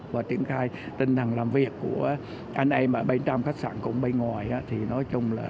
và triển khai tinh thần làm việc của anh em ở bên trong